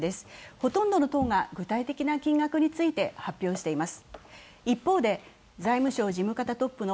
ほとんどの党が具体的な金額について発表しています。